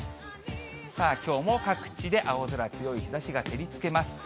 さあ、きょうも各地で青空、強い日ざしが照りつけます。